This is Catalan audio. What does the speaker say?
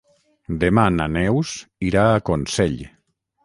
Demà na Neus irà a Consell.